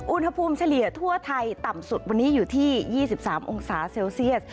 เฉลี่ยทั่วไทยต่ำสุดวันนี้อยู่ที่๒๓องศาเซลเซียส